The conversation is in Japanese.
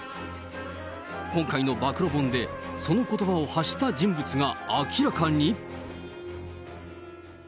今回の暴露本で、そのことばを発した人物が明らかに。